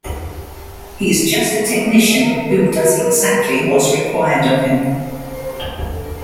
He's just a technician who does exactly what's required of him.